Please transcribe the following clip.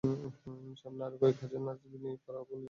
সামনে আরও কয়েক হাজার নার্স নিয়োগ করা হবে বলে জানা গেছে।